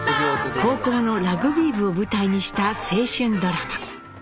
高校のラグビー部を舞台にした青春ドラマ。